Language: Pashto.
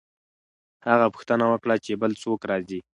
هغه پوښتنه وکړه چې بل څوک راځي؟